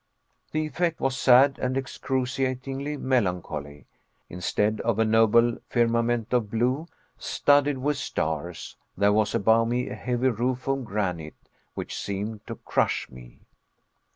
The effect was sad and excruciatingly melancholy. Instead of a noble firmament of blue, studded with stars, there was above me a heavy roof of granite, which seemed to crush me.